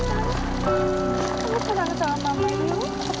kamu pulang sama mama yuk